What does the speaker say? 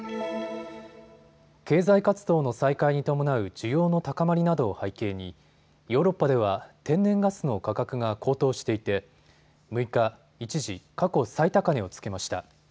経済活動の再開に伴う需要の高まりなどを背景にヨーロッパでは天然ガスの価格が高騰していて６日、一時、過去最高値をつけました。